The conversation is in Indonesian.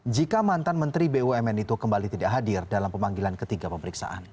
jika mantan menteri bumn itu kembali tidak hadir dalam pemanggilan ketiga pemeriksaan